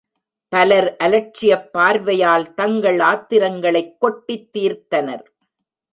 பலர் அலட்சியப் பார்வையால் தங்கள் ஆத்திரங்களைக் கொட்டித் தீர்த்தனர்.